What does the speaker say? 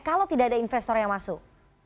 kalau tidak ada investor yang masuk